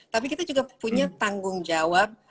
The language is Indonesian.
tapi kita juga punya tanggung jawab